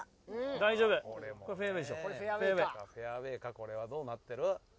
これはどうなってる？